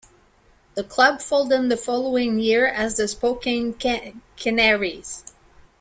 The club folded the following year as the Spokane Canaries.